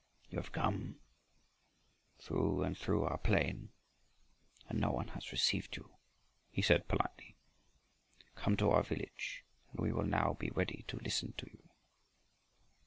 "You have been going through and through our plain and no one has received you," he said politely. "Come to our village, and we will now be ready to listen to you."